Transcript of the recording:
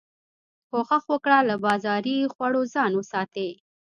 کوښښ وکړه له بازاري خوړو ځان وساتي